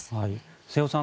瀬尾さん